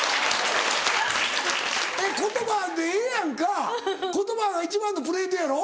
言葉でええやんか言葉が一番のプレートやろ？